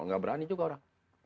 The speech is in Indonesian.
nggak berani juga orang